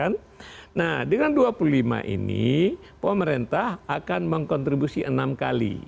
nah dengan dua puluh lima ini pemerintah akan mengkontribusi enam kali